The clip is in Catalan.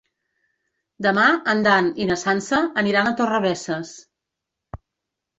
Demà en Dan i na Sança aniran a Torrebesses.